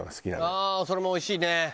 ああそれもおいしいね。